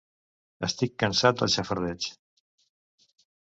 Estic cansat del xafardeig.